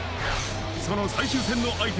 その最終戦の相手